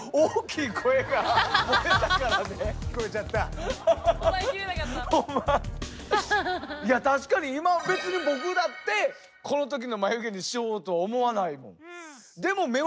いや確かに今は別に僕だってこの時の眉毛にしようとは思わないもん。